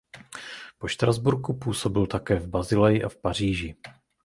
Po Štrasburku působil také v Basileji a v Paříži.